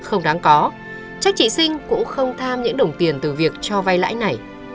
không đáng có trách chị sinh cũng không tham những đồng tiền từ việc cho vay lãi này